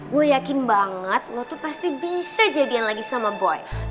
gue yakin banget lo tuh pasti bisa jadian lagi sama boy